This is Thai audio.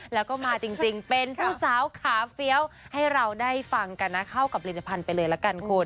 แล้วก็มาจริงเป็นผู้สาวขาเฟี้ยวให้เราได้ฟังกันนะเข้ากับผลิตภัณฑ์ไปเลยละกันคุณ